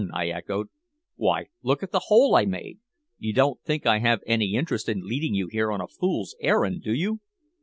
I echoed. "Why, look at the hole I made. You don't think I have any interest in leading you here on a fool's errand, do you?"